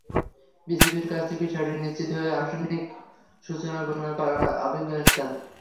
বিসিবির কাছ থেকে সেটি নিশ্চিত হয়েই আনুষ্ঠানিক সূচি ঘোষণা করে আফগানিস্তান।